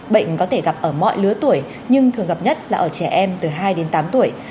bệnh có thể gặp ở mọi lứa tuổi nhưng thường gặp nhất là ở trẻ em từ hai đến tám tuổi